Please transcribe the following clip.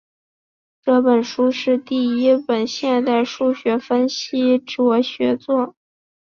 这本书是第一本现代数学分析学着作。